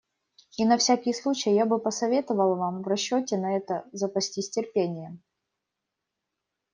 И на всякий случай я бы посоветовал вам в расчете на это запастись терпением.